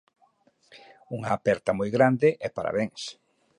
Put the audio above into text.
Unha aperta moi grande e parabéns.